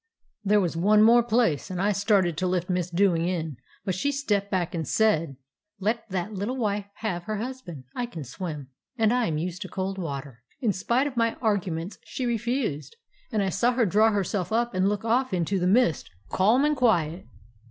There was one more place, and I started to lift Miss Dewing in, but she stepped back and said: " 'Let that little wife have her husband. I can swim, and I am used to cold water.' "In spite of my arguments, she refused, and I saw her draw herself up and look off into the mist, calm and quiet.